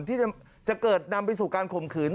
ที่จะเกิดนำไปสู่การข่มขืน